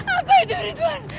apa itu ridwan